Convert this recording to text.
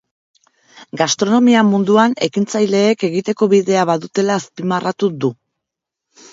Gastronomia munduan ekintzaileek egiteko bidea badutela azpimarratu du.